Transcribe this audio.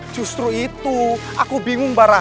justru itu aku bingung mbara